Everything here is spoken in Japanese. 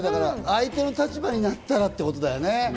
相手の立場になったらということだよね。